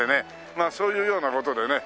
まあそういうような事でね